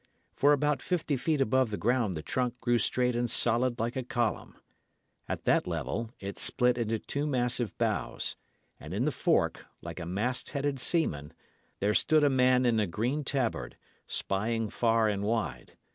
For about fifty feet above the ground the trunk grew straight and solid like a column. At that level, it split into two massive boughs; and in the fork, like a mast headed seaman, there stood a man in a green tabard, spying far and wide.